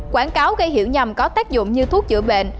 quảng cáo gây hiểu nhầm có tác dụng như thuốc chữa bệnh